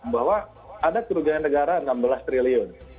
bahwa ada kerugian negara enam belas triliun